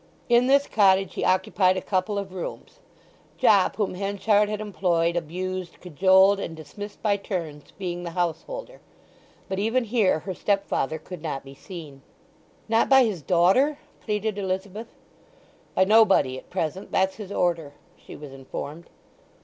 In this cottage he occupied a couple of rooms, Jopp, whom Henchard had employed, abused, cajoled, and dismissed by turns, being the householder. But even here her stepfather could not be seen. "Not by his daughter?" pleaded Elizabeth. "By nobody—at present: that's his order," she was informed.